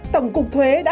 tổng cục thuế đã